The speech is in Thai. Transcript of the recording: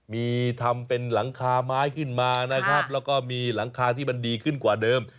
มีทำเป็นหลังคาไม้ขึ้นมานะครับแล้วก็มีหลังคาที่มันดีขึ้นกว่าเดิม